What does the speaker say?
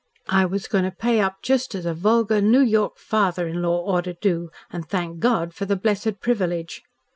I was going to pay up just as a vulgar New York father in law ought to do, and thank God for the blessed privilege.